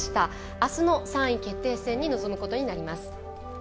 あすの３位決定戦に臨むことになります。